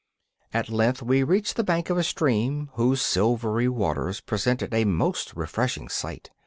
At length we reached the bank of a stream whose silvery waters presented a most refreshing sight.